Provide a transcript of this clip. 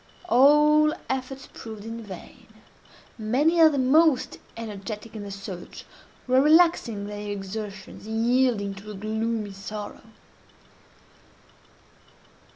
All efforts proved in vain. Many of the most energetic in the search were relaxing their exertions, and yielding to a gloomy sorrow.